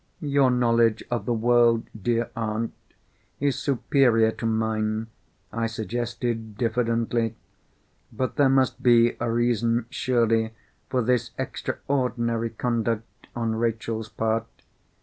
"Your knowledge of the world, dear aunt, is superior to mine," I suggested diffidently. "But there must be a reason surely for this extraordinary conduct on Rachel's part.